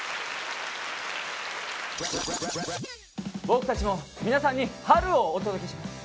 僕たちも皆さんに春をお届けします！